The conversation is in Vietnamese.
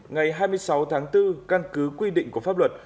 ngày hai mươi sáu tháng bốn căn cứ quy định của pháp luật